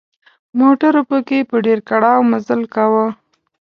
موټرو پکې په ډېر کړاو مزل کاوه.